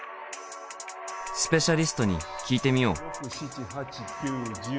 スペシャリストに聞いてみよう。